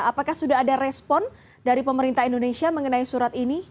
apakah sudah ada respon dari pemerintah indonesia mengenai surat ini